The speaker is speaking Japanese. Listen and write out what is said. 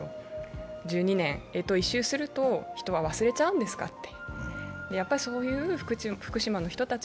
１２年、えと一周すると人は忘れちゃうんですかって。